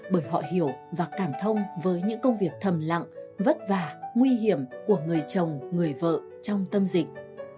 bởi họ hiểu và cảm thông với những công việc thầm lặng vất vả nguy hiểm của người chồng người vợ trong tâm dịch